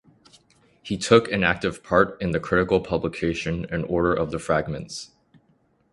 He took an active part in the critical publication and order of the fragments.